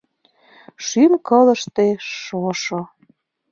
Шӱм-кылыште — шошо.